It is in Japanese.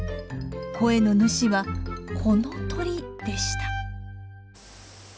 声の主はこの鳥でした。